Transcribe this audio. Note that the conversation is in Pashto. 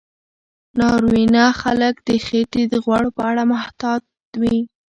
ناروینه خلک د خېټې د غوړو په اړه محتاط وي.